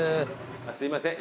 すいません